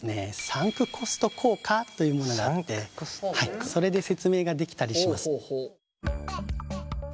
サンクコスト効果というものがあってそれで説明ができたりします。